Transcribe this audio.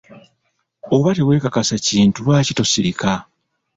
Oba tewekakasa kintu lwaki tosirika?